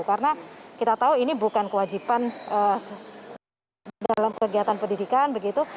karena kita tahu ini bukan kewajiban dalam kegiatan pendidikan begitu